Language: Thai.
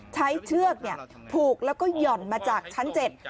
เชือกเนี่ยผูกแล้วก็หย่อนมาจากชั้นเจ็ด